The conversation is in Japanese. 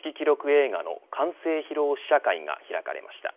映画の完成披露試写会が開かれました。